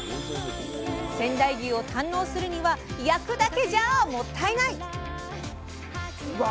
仙台牛を堪能するには焼くだけじゃもったいない！